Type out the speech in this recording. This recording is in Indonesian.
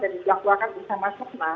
dan dilakukan bersama sama